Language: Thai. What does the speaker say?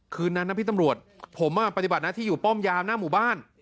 คืนนั้นนะพี่ตำรวจผมปฏิบัติหน้าที่อยู่ป้อมยามหน้าหมู่บ้าน